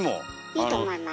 いいと思います。